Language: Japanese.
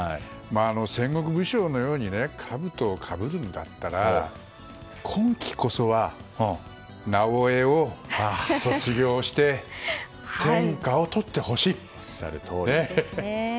戦国武将のようにかぶとをかぶるんだったら今季こそは「なおエ」を卒業しておっしゃるとおりです。